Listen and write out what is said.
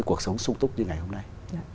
cuộc sống sung túc như ngày hôm nay